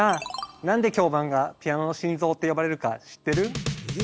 何で響板がピアノの心臓って呼ばれるか知ってる？え？